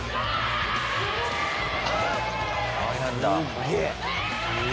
すっげえ！